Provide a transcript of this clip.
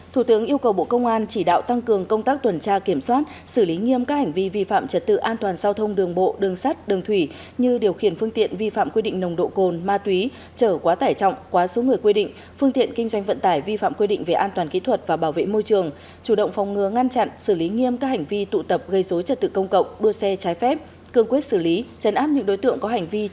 thủ tướng yêu cầu bộ công an chỉ đạo tăng cường công tác tuần tra kiểm soát xử lý nghiêm các hành vi vi phạm trật tự an toàn giao thông đường bộ đường sắt đường thủy như điều khiển phương tiện vi phạm quy định nồng độ cồn ma túy trở quá tải trọng quá số người quy định phương tiện kinh doanh vận tải vi phạm quy định về an toàn kỹ thuật và bảo vệ môi trường chủ động phòng ngừa ngăn chặn xử lý nghiêm các hành vi tụ tập gây dối trật tự công cộng đua xe trái phép cương quyết xử lý trấn áp những đối tượng có hành vi